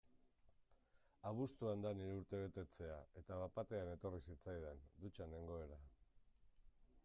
Abuztuan da nire urtebetetzea eta bat-batean etorri zitzaidan, dutxan nengoela.